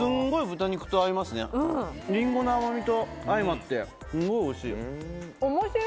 りんごの甘みと相まってすごいおいしい。